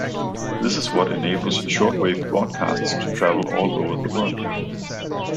This is what enables shortwave broadcasts to travel all over the world.